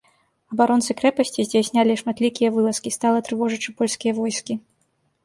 Абаронцы крэпасці здзяйснялі шматлікія вылазкі, стала трывожачы польскія войскі.